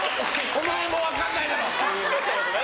お前も分からないだろ！